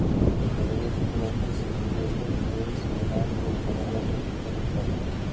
De regreso a Colombia se convierte en Juez penal del juzgado primero de Cali.